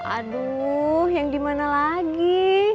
aduh yang dimana lagi